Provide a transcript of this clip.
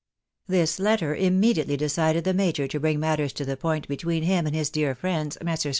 This letter immediately decided the major to bring matters to the point between him and his dear fif ends, Messrs.